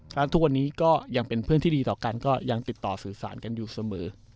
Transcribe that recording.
เพราะทุกวันนี้ก็ยังเป็นเพื่อนที่ดีต่อกันก็ยังติดต่อสื่อสารกันอยู่เสมอ